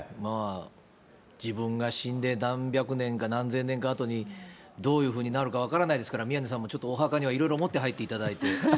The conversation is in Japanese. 自分が死んで何百年か何千年かあとにどういうふうになるか分からないですから、宮根さんもちょっと、お墓にはいろいろ持って入っていただいて。